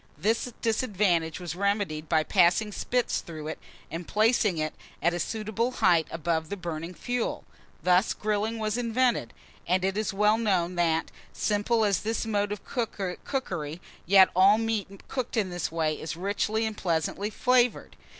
This disadvantage was remedied by passing spits through it, and placing it at a suitable height above the burning fuel. Thus grilling was invented; and it is well known that, simple as is this mode of cookery, yet all meat cooked in this way is richly and pleasantly flavoured.